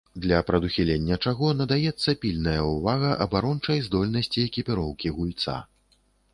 Для прадухілення чаго надаецца пільная ўвага абарончай здольнасці экіпіроўкі гульца.